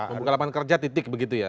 membuka lapangan kerja titik begitu ya